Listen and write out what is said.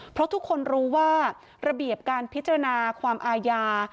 เพราะทุกคนรู้ว่าระเบียบการพิจารณาความอาญา